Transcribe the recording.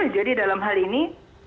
jadi dalam hal ini